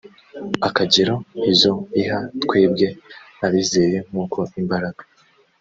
akagero izo iha twebwe abizeye nk uko imbaraga